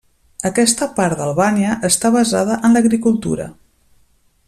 Aquesta part d'Albània està basada en l'agricultura.